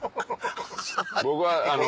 僕はあの。